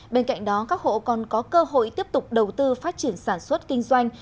bên cạnh đó các hộ còn có cơ hội tiếp tục đầu tư phát triển sản xuất kinh doanh